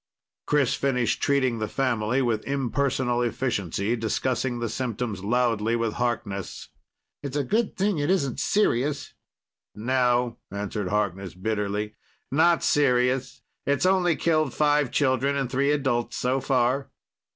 Chris finished treating the family with impersonal efficiency, discussing the symptoms loudly with Harkness. "It's a good thing it isn't serious!" "No," Harkness answered bitterly. "Not serious. It's only killed five children and three adults so far!"